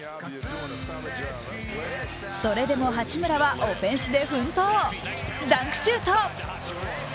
それでも八村はオフェンスで奮闘ダンクシュート！